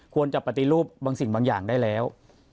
ปฏิรูปบางสิ่งบางอย่างได้แล้ว